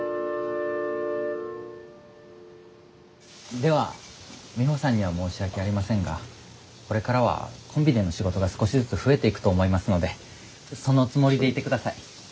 ではミホさんには申し訳ありませんがこれからはコンビでの仕事が少しずつ増えていくと思いますのでそのつもりでいて下さい。